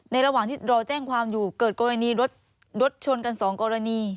ระหว่างที่รอแจ้งความอยู่เกิดกรณีรถชนกันสองกรณี